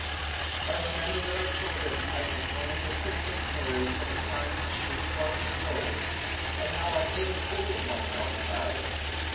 I remember that I told him I had known the Princess Mary from a time when she was twelve years old, and how I had made a fool of myself about her.